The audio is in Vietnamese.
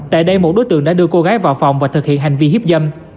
tại đây một đối tượng đã đưa cô gái vào phòng và thực hiện hành vi hiếp dâm